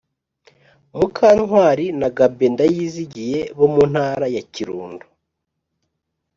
mukantwari na gabin ndayizigiye bo mu ntara ya kirundo